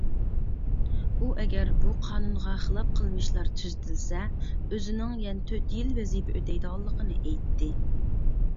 ئۇ ئەگەر بۇ قانۇنغا خىلاپ قىلمىشلار تۈزىتىلسە ، ئۆزىنىڭ يەنە تۆت يىل ۋەزىپە ئۆتەيدىغانلىقىنى ئېيتتى.